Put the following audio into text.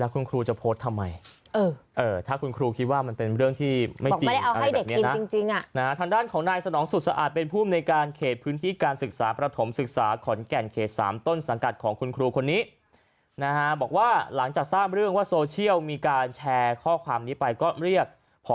คุณคุณคิดว่ามันเป็นเรื่องที่ไม่จริงทางด้านของนายสนองสุดสะอาดเป็นภูมิในการเขตพื้นที่การศึกษาประถมศึกษาขอนแก่นเขตสามต้นสังกัดของคุณคุณคนนี้นะฮะบอกว่าหลังจากทราบเรื่องว่าโซเชียลมีการแชร์ข้อความนี้ไปก็เรียก